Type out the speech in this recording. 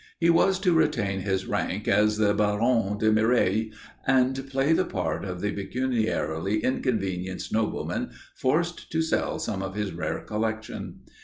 He was to retain his rank as the Baron de Mireilles, and play the part of the pecuniarily inconvenienced nobleman forced to sell some of his rare collection.